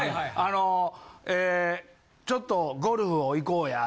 えちょっとゴルフを行こうや。